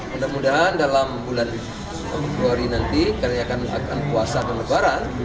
mudah mudahan dalam bulan dua hari nanti karena ini akan puasa atau lebaran